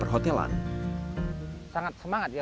kekuatan dan malangnya